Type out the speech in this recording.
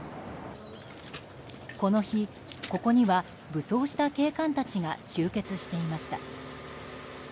この日、ここには武装した警官たちが集結していました。